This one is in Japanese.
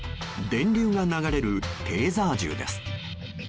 電流が流れるテーザー銃です。